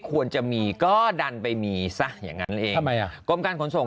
ควรจะมีก็ดันไปมีซะอย่างนั้นเองทำไมอ่ะกรมการขนส่ง